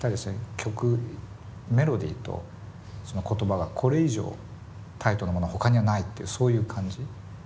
曲メロディーと言葉がこれ以上タイトなものはほかにはないってそういう感じ。